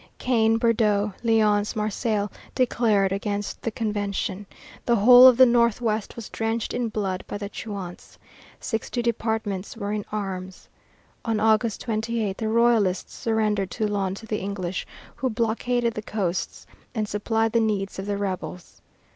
Caen, Bordeaux, Lyons, Marseilles, declared against the Convention. The whole of the northwest was drenched in blood by the Chouans. Sixty departments were in arms. On August 28 the Royalists surrendered Toulon to the English, who blockaded the coasts and supplied the needs of the rebels.